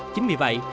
chính vì vậy